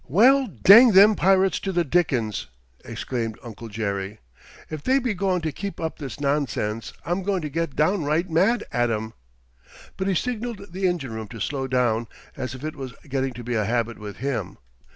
"Well, dang them pirates to the dickens!" exclaimed Uncle Jerry. "If they be goin' to keep up this nonsense I'm goin' to get down right mad at 'em." But he signaled the engine room to slow down, as if it was getting to be a habit with him.